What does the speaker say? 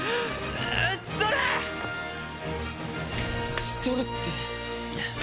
打ち取るって。